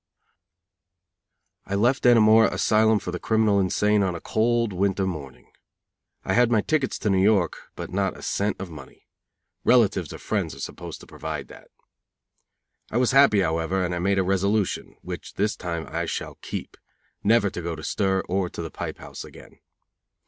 _ I left Dannemora asylum for the criminal insane on a cold winter morning. I had my tickets to New York, but not a cent of money. Relatives or friends are supposed to provide that. I was happy, however, and I made a resolution, which this time I shall keep, never to go to stir or the pipe house again.